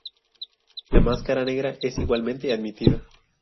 La máscara negra es igualmente admitida.